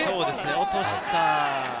落とした。